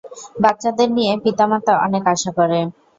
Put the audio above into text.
বাচ্চাদের নিয়ে পিতামাতা অনেক আশা করে।